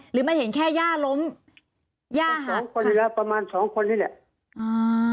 หรือมันเห็นแค่ย่าล้มย่าสองคนอยู่แล้วประมาณสองคนนี่แหละอ่า